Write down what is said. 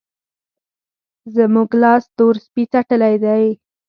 زموږ لاس تور سپي څټلی دی.